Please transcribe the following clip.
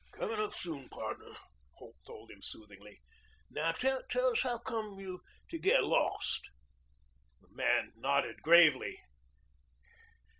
"Coming up soon, pardner," Holt told him soothingly. "Now tell us howcome you to get lost." The man nodded gravely.